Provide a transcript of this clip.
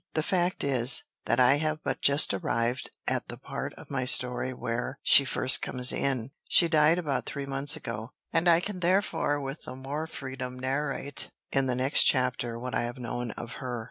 The fact is, that I have but just arrived at the part of my story where she first comes in. She died about three months ago; and I can therefore with the more freedom narrate in the next chapter what I have known of her.